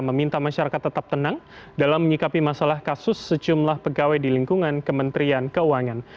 meminta masyarakat tetap tenang dalam menyikapi masalah kasus sejumlah pegawai di lingkungan kementerian keuangan